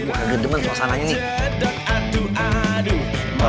wah gede banget suasananya nih